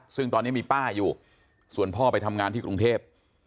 ซึ่งตอนนี้มีป้าอยู่ส่วนพ่อไปทำงานที่กรุงเทพ